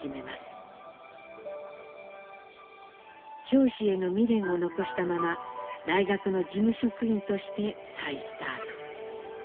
教師への未練を残したまま大学の事務職員として再スタート。